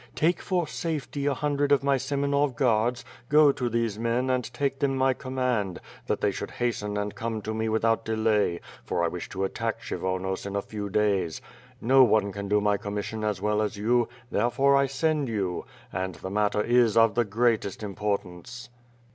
Take, for safety, a hundred of my Semenov guards, go to these men and take them my com mand, that they should hasten and come to me without de lay, for I wish to attack Kshyvonos in a few days. No one can do my commission as well as you, therefore I send you — and the matter is of the greatest importance."